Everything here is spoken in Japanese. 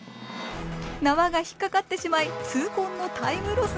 縄が引っ掛かってしまい痛恨のタイムロス！